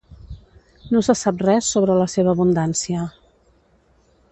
No se sap res sobre la seva abundància.